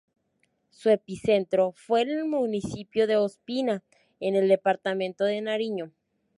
Su epicentro fue en el municipio de Ospina, en el departamento de Nariño.